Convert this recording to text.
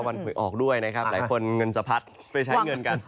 หวยออกด้วยนะครับหลายคนเงินสะพัดไปใช้เงินกัน